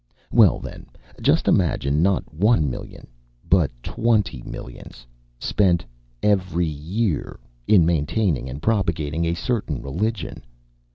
Well then, just imagine, not one million, but twenty millions, spent every year in maintaining and propagating a certain religion.